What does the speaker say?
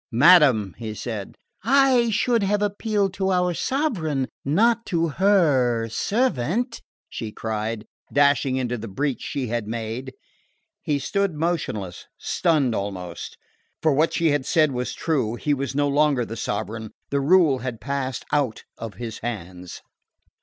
"Madam!" he said. "I should have appealed to our sovereign, not to her servant!" she cried, dashing into the breach she had made. He stood motionless, stunned almost. For what she had said was true. He was no longer the sovereign: the rule had passed out of his hands.